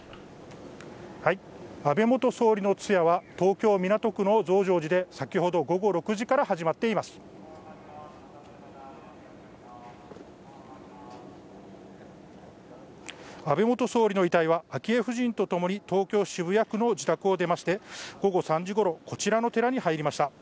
安倍元総理の通夜は東京・港区の増上寺で先ほど午後６時から始まっています安倍元総理の遺体は昭恵夫人とともに東京・渋谷区の自宅を出まして、午後３時ごろ、こちらの寺に入りました。